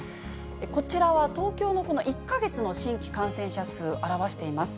こちらは東京の１か月の新規感染者数を表しています。